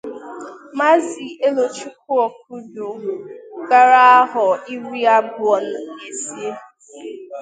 Maazị Elochukwu Okudo gbara ahọ iri abụọ na ise